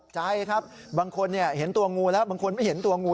ใจครับบางคนเห็นตัวงูแล้วบางคนไม่เห็นตัวงู